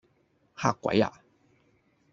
嚇鬼呀?